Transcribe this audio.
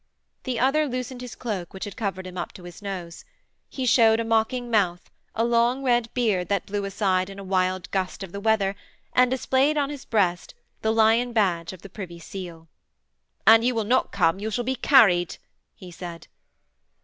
The other loosened his cloak which had covered him up to the nose. He showed a mocking mouth, a long red beard that blew aside in a wild gust of the weather, and displayed on his breast the lion badge of the Lord Privy Seal. 'An you will not come you shall be carried!' he said.